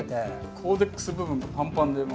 コーデックス部分がパンパンでもう。